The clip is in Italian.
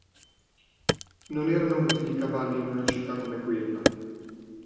Non erano utili i cavalli in una città come quella.